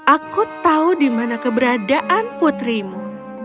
aku tahu di mana keberadaan putrimu